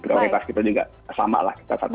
prioritas kita juga sama lah